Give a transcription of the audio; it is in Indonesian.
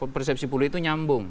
persepsi pulih itu nyambung